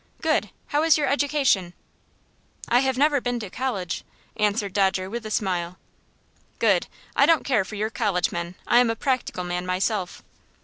"Good! How is your education?" "I have never been to college," answered Dodger, with a smile. "Good! I don't care for your college men. I am a practical man myself."